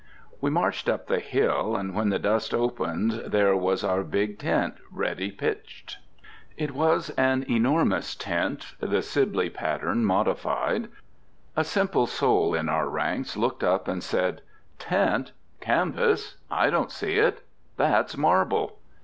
We marched up the hill, and when the dust opened there was our Big Tent ready pitched. It was an enormous tent, the Sibley pattern modified. A simple soul in our ranks looked up and said, "Tent! canvas! I don't see it: that's marble!"